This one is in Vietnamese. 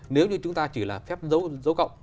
nếu như chúng ta chỉ là phép dấu cộng